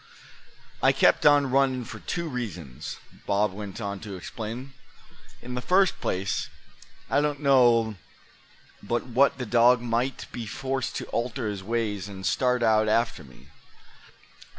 "I kept on running for two reasons," Bob went on to explain. "In the first place, I didn't know but what the dog might be forced to alter his ways, and start out after me.